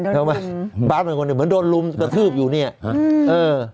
เหมือนโดนรุมมันโดนรุมกระทืบอยู่เนี่ยเออ